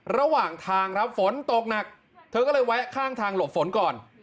ระหว่างทางครับฝนตกหนักเธอก็เลยแวะข้างทางหลบฝนก่อน